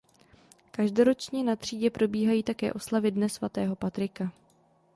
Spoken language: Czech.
Každoročně na třídě probíhají také oslavy Dne svatého Patrika.